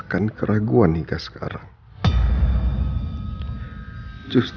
yang mereka masih peduli sama lo elsa